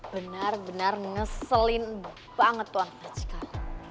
benar benar ngeselin banget tuan mac ikal